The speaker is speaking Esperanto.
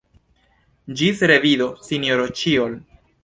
Ĝis revido, Sinjoro Ĉiol!